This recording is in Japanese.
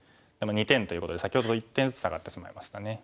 ２点ということで先ほどと１点ずつ下がってしまいましたね。